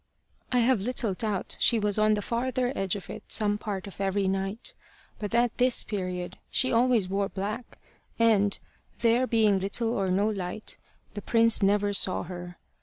I have little doubt she was on the farther edge of it some part of every night, but at this period she always wore black, and, there being little or no light, the prince never saw her.